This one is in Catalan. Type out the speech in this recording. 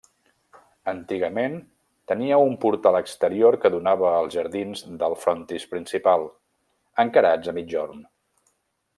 Antigament, tenia un portal exterior que donava als jardins del frontis principal, encarats a migjorn.